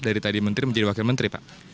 dari tadi menteri menjadi wakil menteri pak